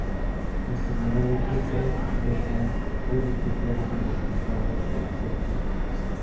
En general el título Dead Line fue respetado salvo contadas excepciones.